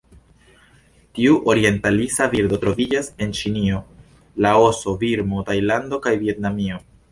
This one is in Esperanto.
Tiu orientalisa birdo troviĝas en Ĉinio, Laoso, Birmo, Tajlando kaj Vjetnamio.